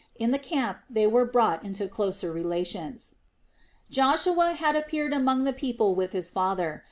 In the camp they were brought into closer relations. Joshua had appeared among the people with his father.